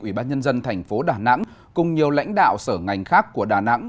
ủy ban nhân dân tp đà nẵng cùng nhiều lãnh đạo sở ngành khác của đà nẵng